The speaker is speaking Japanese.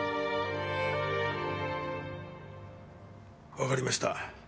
わかりました。